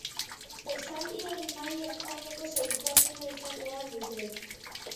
Esaldiek maila ertaineko zailtasuna izan behar dute.